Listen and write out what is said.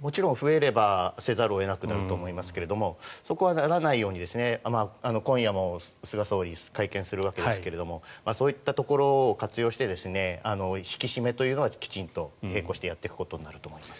もちろん増えれば出さざるを得なくなりますがそこはならないように今夜も菅総理会見をするわけですがそういったところを活用して引き締めというのはきちんと並行してやっていくことになると思います。